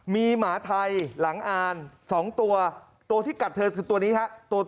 มีหมาไทยหลังอ่าน๒ตัวตัวที่กัดเธอคือตัวนี้ฮะตัว